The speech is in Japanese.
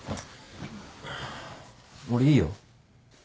俺いいよ。